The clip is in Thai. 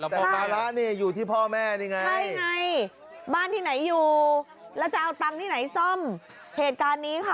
แต่ภาระอยู่ที่พ่อแม่นี่ไง